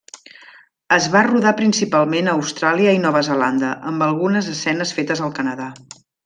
Es va rodar principalment a Austràlia i Nova Zelanda, amb algunes escenes fetes al Canadà.